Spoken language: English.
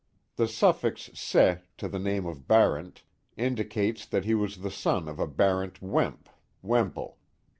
The suffix, se^ to the name of Barent, indicates that he was the son of a Barent Wemp (Wemple).